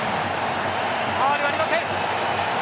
ファウルはありません。